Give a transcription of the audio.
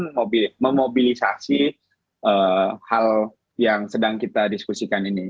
tidak ada sedikitpun memobilisasi hal yang sedang kita diskusikan ini